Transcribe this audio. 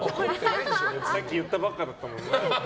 さっき言ったばっかりだったのにな。